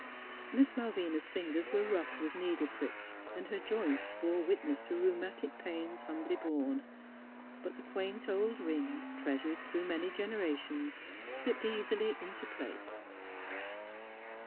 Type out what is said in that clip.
Miss Malvina's fingers were rough with needle pricks and her joints bore wit ness to rheumatic pains humbly borne; but the quaint old ring, treasured through many genera tions, slipped easily into place.